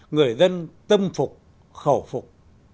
người dân tâm phục khẩu phục